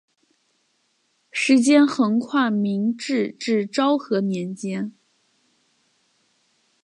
时间横跨明治至昭和年间。